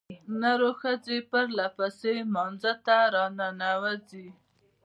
نرو ښځې پرلپسې لمانځه ته راننوځي.